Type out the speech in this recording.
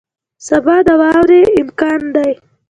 سبا د واورې امکان دی